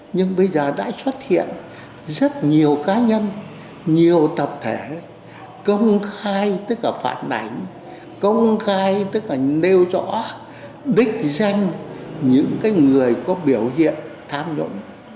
nhưng bây giờ đã xuất hiện rất nhiều cá nhân nhiều tập thể công khai tất cả phản ảnh công khai tất cả nêu rõ đích danh những người có biểu hiện tham nhũng